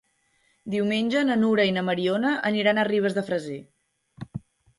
Diumenge na Nura i na Mariona aniran a Ribes de Freser.